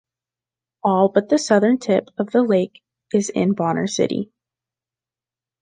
All but the southern tip of the lake is in Bonner County.